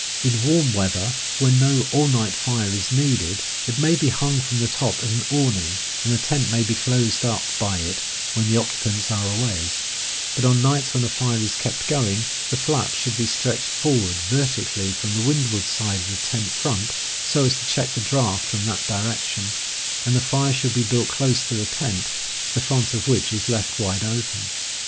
In warm weather, when no all night fire is needed, it may be hung from the top as an awning, and the tent may be closed up by it when the occupants are away; but on nights when a fire is kept going the flap should be stretched forward vertically from the windward side of the tent front, so as to check the draught from that direction, and the fire should be built close to the tent, the front of which is left wide open.